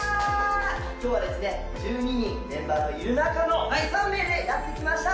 今日はですね１２人メンバーのいる中の３名でやって来ました！